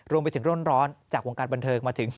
รวมไปถึงร่นร้อนจากวงการบันเทิงมาถึง